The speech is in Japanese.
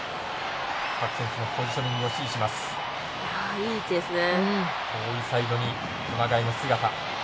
いい位置ですね。